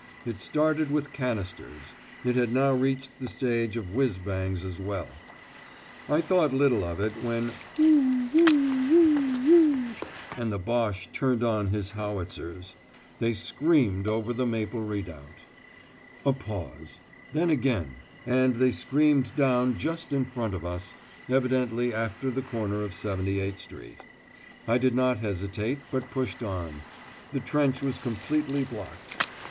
It started with canisters; it had now reached the stage of whizz bangs as well. I thought little of it, when "woo woo woo woo," and the Boche turned on his howitzers. They screamed over to Maple Redoubt. A pause. Then again, and they screamed down just in front of us, evidently after the corner of 78 Street. I did not hesitate, but pushed on. The trench was completely blocked.